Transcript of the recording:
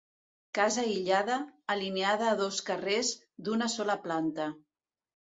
Casa aïllada, alineada a dos carrers, d'una sola planta.